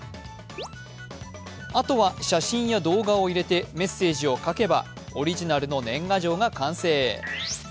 あとは写真や動画を入れてメッセージを書けばオリジナルの年賀状が完成。